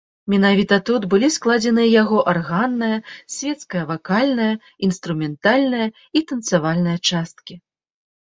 Менавіта тут былі складзеныя яго арганная, свецкая-вакальная, інструментальная і танцавальная часткі.